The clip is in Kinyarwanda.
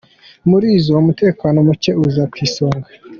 Muri izo umutekano muke uza ku isonga.